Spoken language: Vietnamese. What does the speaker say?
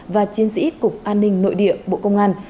và chiến sĩ cục an ninh nội địa bộ công an